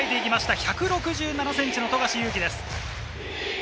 １６７ｃｍの富樫勇樹です。